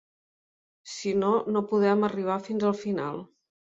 Si no, no podrem arribar fins al final.